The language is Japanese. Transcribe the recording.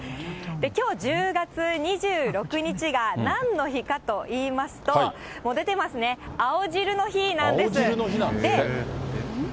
きょう１０月２６日が、なんの日かといいますと、もう出てますね、青汁の日なんですって。